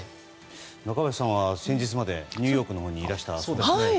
中林さんは先日までニューヨークのほうにいらした。